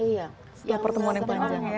ya pertemuan yang panjang